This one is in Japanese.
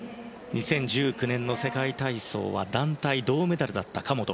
２０１９年の世界体操は団体銅メダルだった神本。